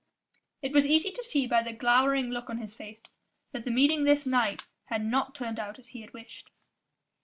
It was easy to see, by the glowering look on his face, that the meeting this night had not turned out as he had wished.